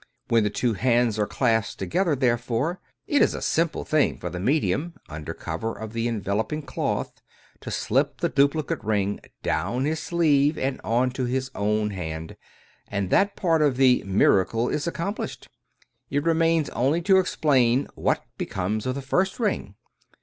When the two hands are clasped together, therefore, it is a simple thing for the medium, under cover of the envelop ing cloth, to slip the duplicate ring down his sleeve, and on to his own hand, and that part of the " miracle " is accom plished! It remains only to explain what becomes of the first ring.